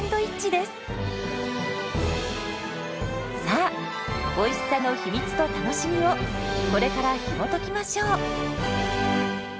さあおいしさの秘密と楽しみをこれからひもときましょう！